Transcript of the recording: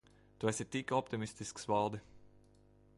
Tu esi tik optimistisks, Valdi.